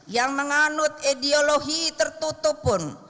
yang menganut ideologi tertutup pun